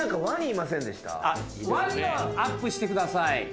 ワニをアップしてください。